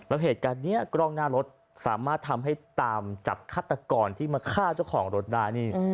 แล้วเหตุการณ์นี้กล้องหน้ารถสามารถทำให้ตามจับฆาตกรที่มาฆ่าเจ้าของรถได้นี่